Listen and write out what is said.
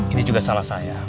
ini juga salah saya